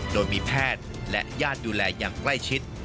โดยมีแพทย์และญาติดูแลอย่างใกล้ชิด